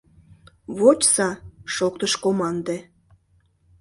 — Вочса! — шоктыш команде.